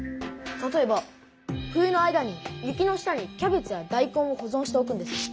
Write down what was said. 例えば冬の間に雪の下にキャベツやだいこんをほぞんしておくんです。